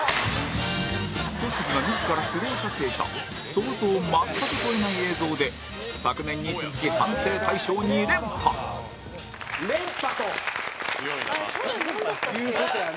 小杉が自らスロー撮影した想像を全く超えない映像で昨年に続き、反省大賞２連覇蛍原：連覇という事やね。